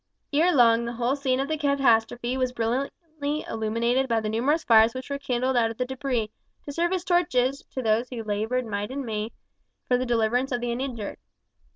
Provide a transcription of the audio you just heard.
Ere long the whole scene of the catastrophe was brilliantly illuminated by the numerous fires which were kindled out of the debris, to serve as torches to those who laboured might and main for the deliverance of the injured.